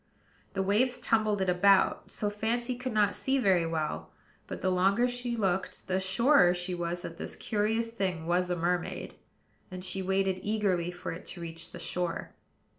The waves tumbled it about, so Fancy could not see very well: but, the longer she looked, the surer she was that this curious thing was a mermaid; and she waited eagerly for it to reach the shore.